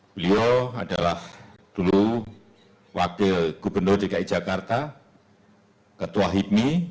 beliau adalah dulu wakil gubernur dki jakarta ketua hipmi